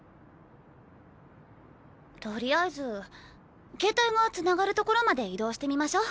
とりあえず携帯がつながる所まで移動してみましょう。